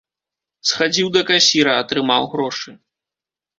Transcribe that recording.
Схадзіў да касіра, атрымаў грошы.